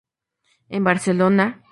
En Barcelona.